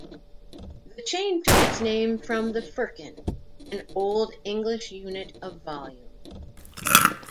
The chain took its name from the firkin, an old English unit of volume.